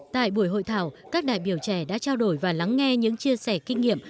tại buổi hội thảo các đại biểu trẻ đã trao đổi và lắng nghe những chia sẻ kinh nghiệm